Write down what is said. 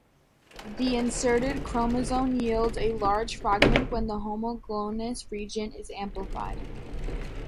The inserted chromosome yields a large fragment when the homologous region is amplified.